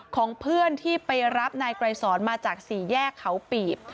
ของเพื่อนที่ไปรับนายไกรสอนมาจากสี่แยกเขาปีบ